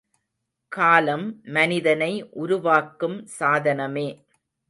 காலம் மனிதனை உருவாக்கும் சாதனமே.